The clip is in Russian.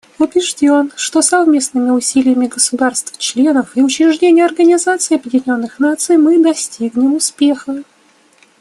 Убежден, что совместными усилиями государств-членов и учреждений Организации Объединенных Наций мы достигнем успеха.